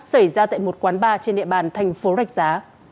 xảy ra tại một quán bar trên địa bàn thành phố rạch giá